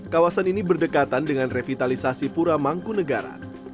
kawasan ini berdekatan dengan revitalisasi pura mangkunegara